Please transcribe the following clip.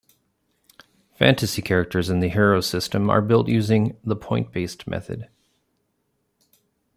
Fantasy characters in the Hero system are built using the point-based method.